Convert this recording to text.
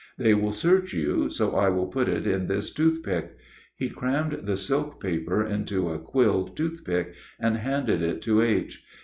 They will search you, so I will put it in this toothpick." He crammed the silk paper into a quill toothpick, and handed it to H.